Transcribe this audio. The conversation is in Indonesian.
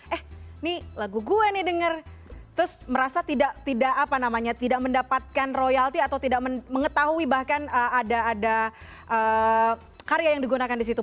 eh ini lagu gue nih denger terus merasa tidak apa namanya tidak mendapatkan royalti atau tidak mengetahui bahkan ada karya yang digunakan di situ